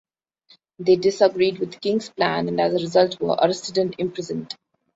They disagreed with king's plans and as a result were arrested and imprisoned.